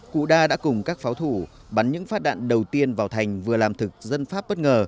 cụ đa đã cùng các pháo thủ bắn những phát đạn đầu tiên vào thành vừa làm thực dân pháp bất ngờ